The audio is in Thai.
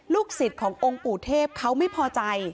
สิทธิ์ขององค์ปู่เทพเขาไม่พอใจ